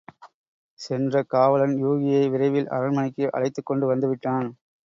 சென்ற காவலன் யூகியை விரைவில் அரண்மனைக்கு அழைத்துக் கொண்டு வந்துவிட்டான்.